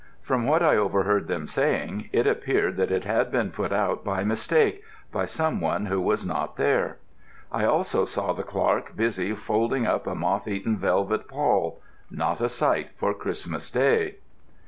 From what I overheard them saying, it appeared that it had been put out by mistake, by some one who was not there. I also saw the clerk busy folding up a moth eaten velvet pall not a sight for Christmas Day.